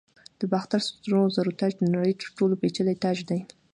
د باختر سرو زرو تاج د نړۍ تر ټولو پیچلی تاج دی